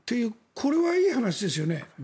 これはいい話ですよね。